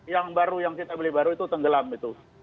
yang baru yang kita beli baru itu tenggelam itu